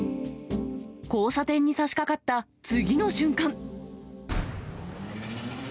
交差点にさしかかった次の瞬間。